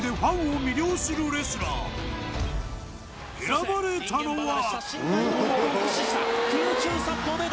選ばれたのは。